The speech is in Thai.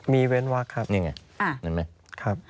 มีเว้นวักครับ